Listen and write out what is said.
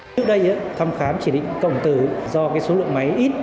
trước đây thăm khám chỉ định cộng tư do số lượng máy ít